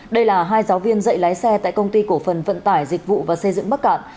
đây là hai giáo viên dạy lái xe tại công ty cổ phần vận tải dịch vụ và xây dựng bắc cạn